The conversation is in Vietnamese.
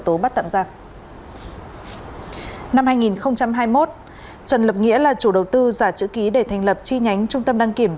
trần lập nghĩa là chủ đầu tư giả chữ ký để thành lập chi nhánh trung tâm đăng kiểm tám nghìn bốn trăm linh hai d